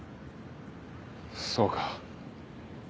そうか。